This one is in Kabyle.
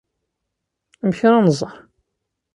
Amek ara nẓer?